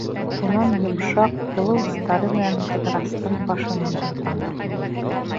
Унан йомшаҡ, йылы устары менән Ҡыҙырастың башынан һыйпаны: